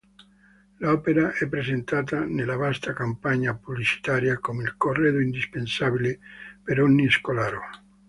L'opera è presentata nella vasta campagna pubblicitaria come il corredo indispensabile per ogni scolaro.